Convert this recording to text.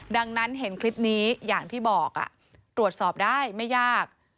ดังนั้นเห็นคลิปนี้อย่างที่บอกตรวจสอบได้ไม่ยาก